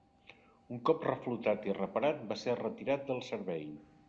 Un cop reflotat i reparat va ser retirat del servei.